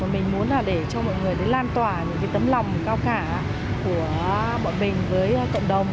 mình muốn là để cho mọi người lan tỏa những tấm lòng cao cả của bọn mình với cộng đồng